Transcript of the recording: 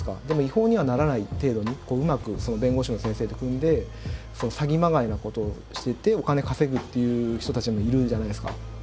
でも違法にはならない程度にうまく弁護士の先生と組んで詐欺まがいなことをしててお金稼ぐっていう人たちもいるじゃないですか。